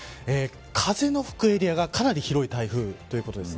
風の吹くエリアがかなり広い台風ということです。